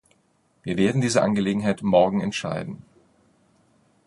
Wir werden diese Angelegenheit morgen entscheiden.